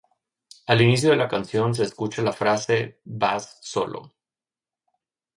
Al inicio de la canción se escucha la frase "Bass solo.